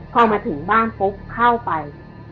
พอมาถึงบ้านปุ๊บเข้าไป